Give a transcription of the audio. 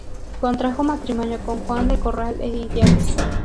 Contrajo matrimonio con Juan del Corral e Idiáquez.